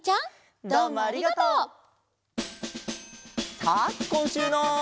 さあこんしゅうの。